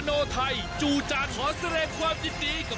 คุณอโนไทจูจังขอแสดงความจริงกับผู้ที่ได้รับรางวัลครับ